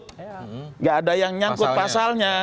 tidak ada yang nyangkut pasalnya